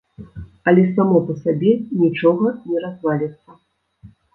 Але само па сабе нічога не разваліцца.